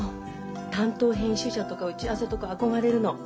担当編集者とか打ち合わせとか憧れるの。